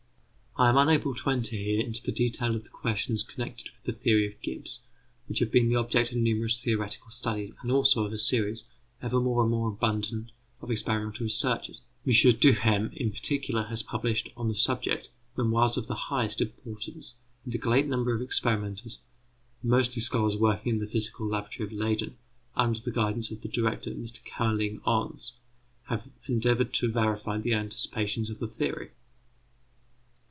I am unable to enter here into the detail of the questions connected with the theories of Gibbs, which have been the object of numerous theoretical studies, and also of a series, ever more and more abundant, of experimental researches. M. Duhem, in particular, has published, on the subject, memoirs of the highest importance, and a great number of experimenters, mostly scholars working in the physical laboratory of Leyden under the guidance of the Director, Mr Kamerlingh Onnes, have endeavoured to verify the anticipations of the theory.